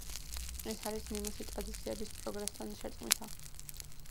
ეს არის ნიმუში ტრადიციების პროგრესთან შერწყმისა.